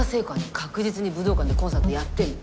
確実に武道館でコンサートやってるの。